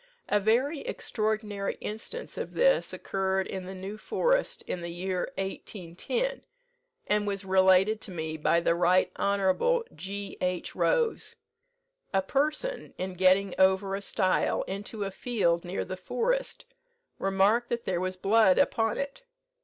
"A very extraordinary instance of this occurred in the New Forest, in the year 1810, and was related to me by the Right Hon. G. H. Rose. A person, in getting over a stile into a field near the Forest, remarked that there was blood upon it.